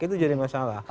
itu jadi masalah